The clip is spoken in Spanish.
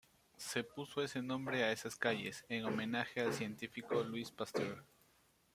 Se puso ese nombre a esas calles, en homenaje al científico Louis Pasteur.